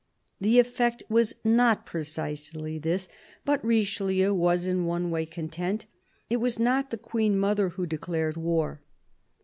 The effect was not precisely this, but Richelieu was in one way content : it was not the Queen mother who de clared war.